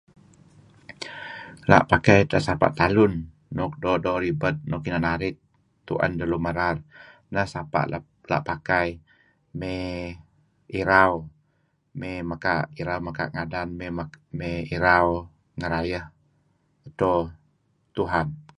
La' pakai edtah sapa' talun luk doo'-doo' ribed nuk inan arit tu'en lun merar neh sapa' nuk la' pakai mey irau mey irau mekaa' ngadan mey irau ngerayeh edto Tuhan.